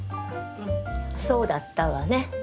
うんそうだったわね。